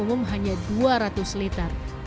umum hanya dua ratus liter